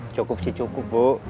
cukup sih cukup bu